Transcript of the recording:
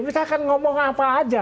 mereka akan ngomong apa aja